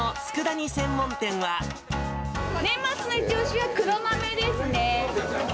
年末の一押しは黒豆ですね。